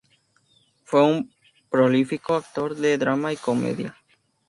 Fue un prolífico actor de drama y comedia.